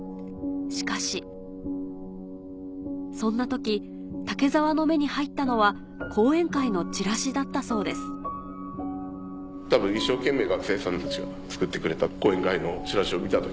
しかしそんな時武澤の目に入ったのは講演会のチラシだったそうです僕は。